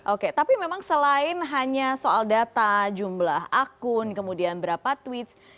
oke tapi memang selain hanya soal data jumlah akun kemudian berapa tweets